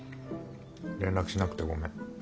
連絡しなくてごめん。